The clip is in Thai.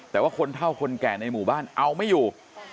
แต่ว่าคนเท่าคนแก่ในหมู่บ้านเอาไม่อยู่